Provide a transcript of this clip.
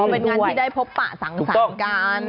เป็นงานที่ได้พบปะสังสรรค์กัน